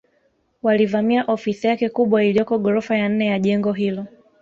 Walivamia ofisi yake kubwa iliyoko ghorofa ya nne ya jengo hilo